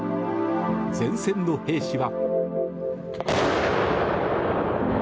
前線の兵士は。